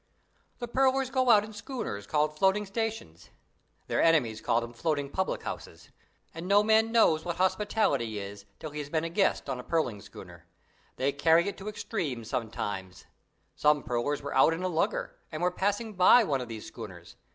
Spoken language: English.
The pearlers go out in schooners called floating stations (their enemies call them floating public houses) and no man knows what hospitality is till he has been a guest on a pearling schooner. They carry it to extremes sometimes. Some pearlers were out in a lugger, and were passing by one of these schooners.